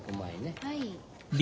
はい。